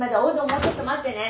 もうちょっと待ってね。